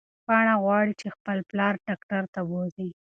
پاڼه غواړي چې خپل پلار ډاکټر ته بوځي.